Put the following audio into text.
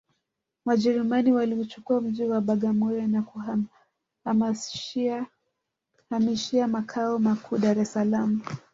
wajerumani waliuchukua mji wa bagamoyo na kuhamishia makao makuu dar es salaam